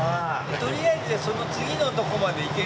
とりあえずその次のとこまでいける？